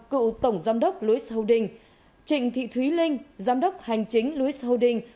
cựu tổng giám đốc louis holdings trịnh thị thúy linh giám đốc hành chính louis holdings